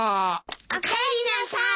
おかえりなさい。